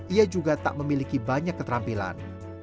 ia juga tak memiliki banyak keterampilan